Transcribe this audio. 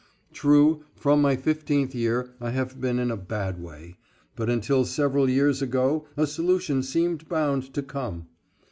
True, from my fifteenth year I have been in a bad way, but until several years ago a solution seemed bound to come.